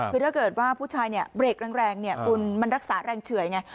คือถ้าเกิดว่าผู้ชายเนี่ยเบรกแรงเนี่ยคุณมันรักษาแรงเฉื่อยไง